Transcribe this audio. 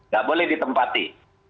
gak boleh ditempati